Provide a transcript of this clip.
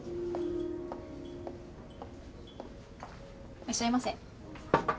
いらっしゃいませ。